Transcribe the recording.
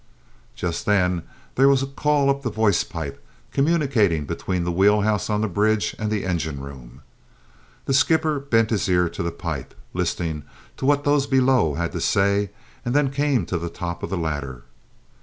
Just then there was a call up the voicepipe communicating between the wheel house on the bridge and the engine room. The skipper bent his ear to the pipe, listening to what those below had to say, and then came to the top of the ladder.